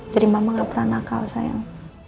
jadi mama gak pernah nakal sayang